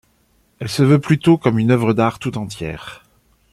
Elle se veut plutôt comme une œuvre d'art tout entière.